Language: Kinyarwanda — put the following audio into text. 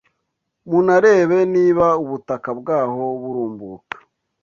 Munarebe niba ubutaka bwaho burumbuka.